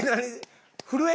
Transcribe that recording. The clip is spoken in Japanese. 震え？